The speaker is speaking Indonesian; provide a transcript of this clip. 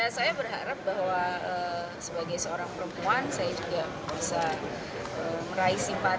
saya berharap bahwa sebagai seorang perempuan saya juga bisa meraih simpati